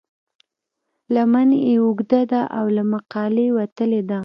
لمن یې اوږده ده او له مقالې وتلې ده.